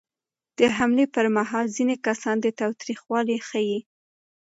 د حملې پر مهال ځینې کسان تاوتریخوالی ښيي.